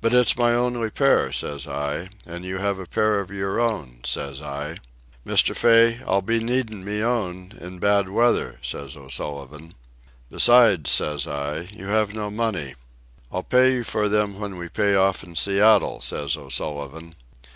"But it's my only pair," says I; "and you have a pair of your own," says I. "Mr. Fay, I'll be needin' me own in bad weather," says O'Sullivan. "Besides," says I, "you have no money." "I'll pay for them when we pay off in Seattle," says O'Sullivan.